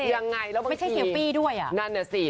อย่างไงแล้วบางที